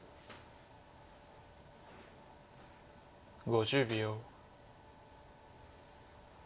５０秒。